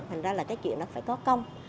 thành ra là cái chuyện đó phải có công